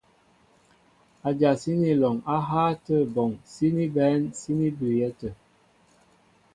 Adyasíní alɔŋ á hááŋ átə bɔŋ síní bɛ̌n síní bʉʉyɛ́ tə̂.